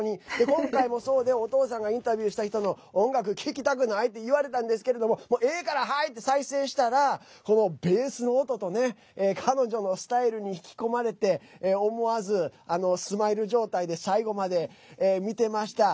今回もそうでお父さんがインタビューした人の音楽聴きたくないって言われたんですけどいいから、はい！って再生したらベースの音と彼女のスタイルに引き込まれて思わずスマイル状態で最後まで見てました。